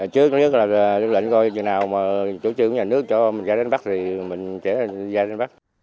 chủ trương nhà nước cho mình ra đến bắc thì mình sẽ ra đến bắc